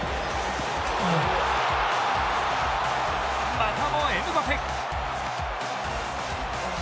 またもエムバペ。